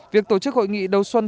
việc tổ chức hội nghị đầu xuân